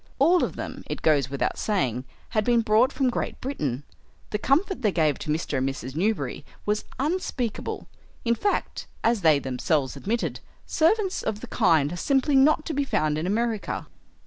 All of them, it goes without saying, had been brought from Great Britain. The comfort they gave to Mr. and Mrs. Newberry was unspeakable. In fact, as they themselves admitted, servants of the kind are simply not to be found in America.